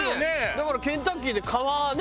だからケンタッキーで皮ね。